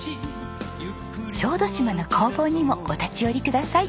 小豆島の工房にもお立ち寄りください。